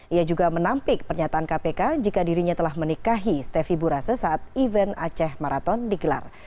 ia juga menampik pernyataan kpk jika dirinya telah menikahi stefi burase saat event aceh marathon digelar